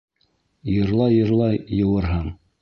Йырлай-йырлай йыуырһың.